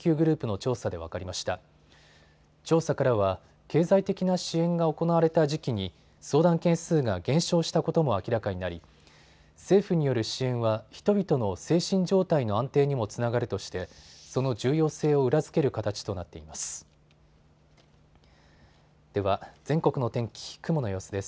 調査からは経済的な支援が行われた時期に相談件数が減少したことも明らかになり政府による支援は人々の精神状態の安定にもつながるとしてその重要性を裏付ける形となっています。